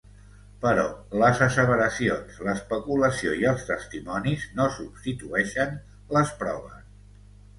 Però les asseveracions, l"especulació i els testimonis no substitueixen les proves.